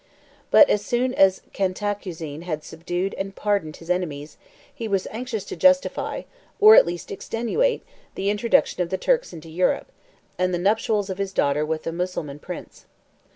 But as soon as Cantacuzene had subdued and pardoned his enemies, he was anxious to justify, or at least to extenuate, the introduction of the Turks into Europe, and the nuptials of his daughter with a Mussulman prince.